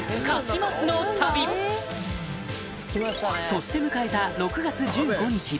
そして迎えた６月１５日